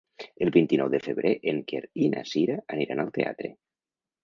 El vint-i-nou de febrer en Quer i na Cira aniran al teatre.